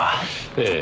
ええ。